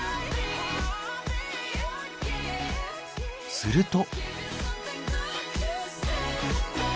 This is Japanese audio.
すると。